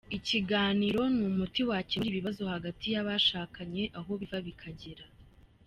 Ikiganiro ni umuti wakemura ibibazo hagati y’abashakanye aho biva bikagera.